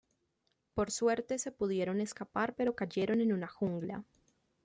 Por suerte se pudieron escapar pero cayeron en una jungla.